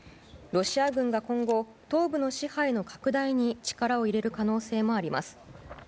ロシア軍が今後東部の支配の拡大に力を入れる可能性もあります。